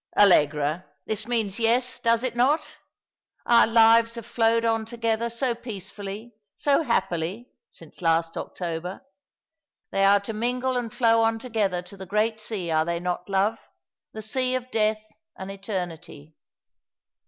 "Allegra, this means yes, does it not? Our lives have flowed on together so peacefully, so happily, since last October. They are to mingle and flow on together to the great sea, are they not, love — the sea of death and eternity."